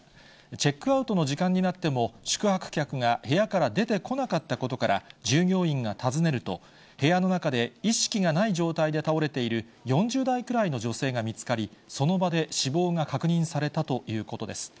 チェックアウトの時間になっても、宿泊客が部屋から出てこなかったことから、従業員が訪ねると、部屋の中で意識がない状態で倒れている４０代くらいの女性が見つかり、その場で死亡が確認されたということです。